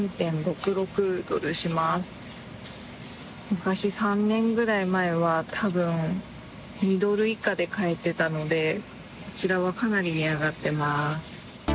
昔３年ぐらい前は多分、２ドル以下で買えてたのでこちらはかなり値上がってます。